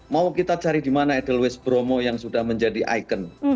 mau kita cari di mana edelweiss bromo yang sudah menjadi ikon